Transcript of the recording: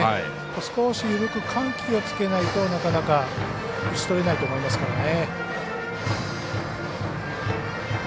少し緩く緩急をつけないと、なかなか打ちとれないと思いますからね。